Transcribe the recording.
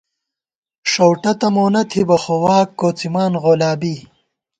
ݭؤٹہ تہ مونہ تھِبہ ، خو واک کوڅِمان غولابی